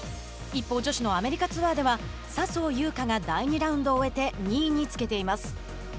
一方、女子のアメリカツアーでは笹生優花が第２ラウンドを終えて２位につけています。